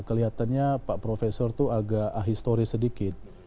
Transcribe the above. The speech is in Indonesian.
kelihatannya pak profesor itu agak ahistoris sedikit